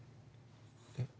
えっ？